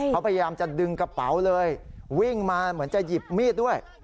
เขาพยายามจะดึงกระเป๋าเลยวิ่งมาเหมือนจะหยิบมีดด้วย